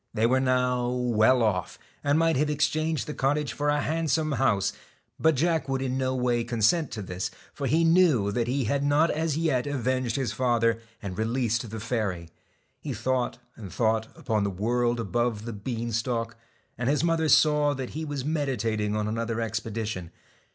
They were now well off, and might have exchanged the cottage for a handsome house, but Jack would in no way consent to this, for he knew that he had not as yet avenged his father, and released the fairy. He thought and thought upon the world above the bean stalk, and his mother saw that he was meditating on another expedition.